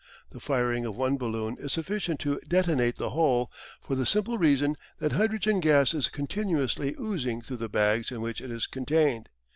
The firing of one balloon is sufficient to detonate the whole, for the simple reason that hydrogen gas is continuously oozing through the bags in which it is contained.